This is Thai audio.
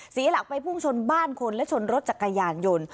เสียหลักไปพุ่งชนบ้านคนและชนรถจักรยานยนต์